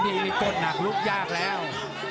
ขอยงกดหนักลูกยากแล้ว